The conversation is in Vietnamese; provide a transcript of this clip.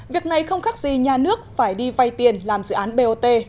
việc này không khác gì nhà nước phải đi vay tiền làm dự án bot